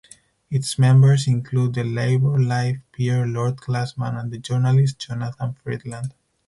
Its members include the Labour life peer Lord Glasman and the journalist Jonathan Freedland.